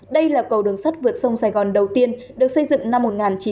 đây là cầu đường sắt vượt sông sài gòn đầu tiên được xây dựng năm một nghìn chín trăm bảy mươi